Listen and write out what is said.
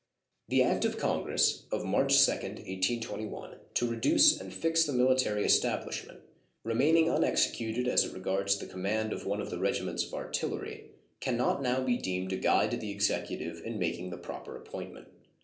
The act of Congress of March 2d, 1821, to reduce and fix the military establishment, remaining unexecuted as it regards the command of one of the regiments of artillery, can not now be deemed a guide to the Executive in making the proper appointment.